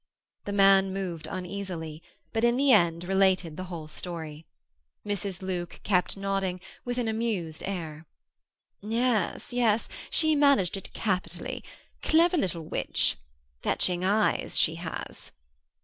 The man moved uneasily, but in the end related the whole story. Mrs. Luke kept nodding, with an amused air. "Yes, yes; she managed it capitally. Clever little witch. Fetching eyes she has."